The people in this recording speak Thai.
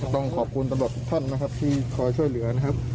ต้องขอบคุณตำรวจทุกท่านนะครับที่คอยช่วยเหลือนะครับ